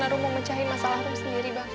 karena rum mau mencahi masalah rum sendiri bang